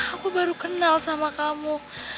aku baru kenal sama kamu